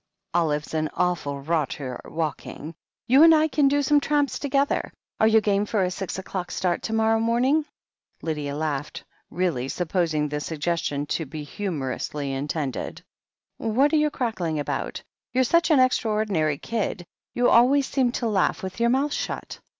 Olive's an awful rotter at walking. You and I can do some tramps together. Are you game for a six o'clock start to morrow morning?" Lydia laughed, really supposing the suggestion to be humorously intended. "What are you cackling about? You're such an extraordinary kid ; you always seem to laugh with your mouth shut.